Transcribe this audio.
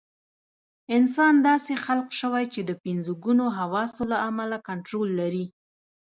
انسان داسې خلق شوی چې د پنځه ګونو حواسو له امله کنټرول لري.